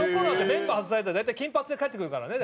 メンバー外されたら大体金髪で帰ってくるからね。